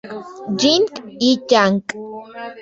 Ying y Yang.